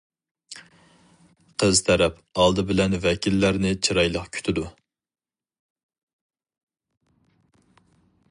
قىز تەرەپ ئالدى بىلەن ۋەكىللەرنى چىرايلىق كۈتىدۇ.